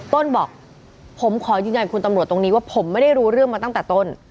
ต้นบอกผมขอยืนยันคุณตำรวจตรงนี้ว่าผมไม่ได้รู้เรื่องมาตั้งแต่ต้น